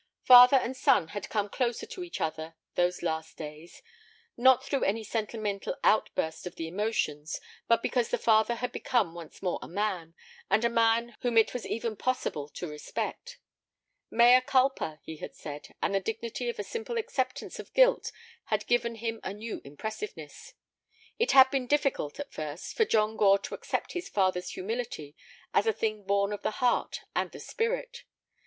Father and son had come closer to each other those last days, not through any sentimental outburst of the emotions, but because the father had become once more a man, and a man whom it was even possible to respect. "Mea culpa," he had said, and the dignity of a simple acceptance of guilt had given him a new impressiveness. It had been difficult, at first, for John Gore to accept his father's humility as a thing born of the heart and the spirit.